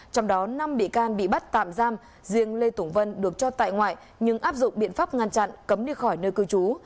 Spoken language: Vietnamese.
trong đó năm bị can bị bắt tạm giam riêng lê tùng vân được cho tại ngoại nhưng áp dụng biện pháp ngăn chặn cấm đi khỏi nơi cư trú